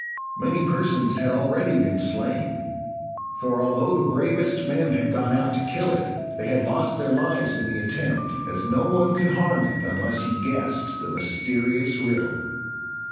Many persons had already been slain; for, although the bravest men had gone out to kill it, they had lost their lives in the attempt, as no one could harm it unless he guessed the mysterious riddle.